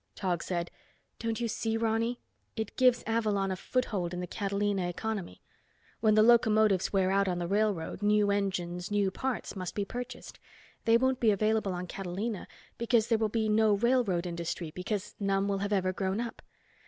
Tog said, "Don't you see, Ronny? It gives Avalon a foothold in the Catalina economy. When the locomotives wear out on the railroad, new engines, new parts, must be purchased. They won't be available on Catalina because there will be no railroad industry because none will have ever grown up.